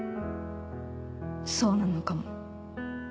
そうなのかも。